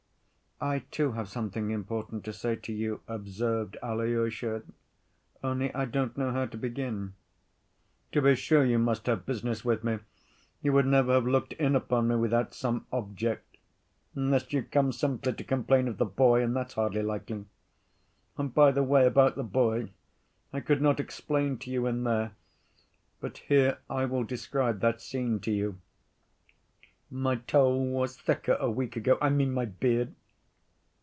"I too have something important to say to you," observed Alyosha, "only I don't know how to begin." "To be sure you must have business with me. You would never have looked in upon me without some object. Unless you come simply to complain of the boy, and that's hardly likely. And, by the way, about the boy: I could not explain to you in there, but here I will describe that scene to you. My tow was thicker a week ago—I mean my beard.